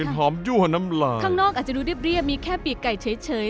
กลิ่นหอมยั่วน้ำลายข้างนอกอาจจะดูเรียบเรียบมีแค่ปีกไก่เฉยเฉย